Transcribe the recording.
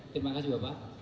terima kasih bapak